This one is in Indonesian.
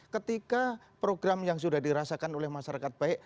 ketika program yang sudah dirasakan oleh masyarakat baik